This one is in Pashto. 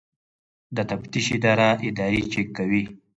د تفتیش اداره ادارې چک کوي